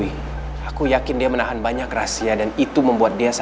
you nin mungkin ga tahu main jalan ini buat apa